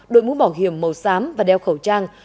đội mũ bảo hiểm màu xám và đeo khẩu trang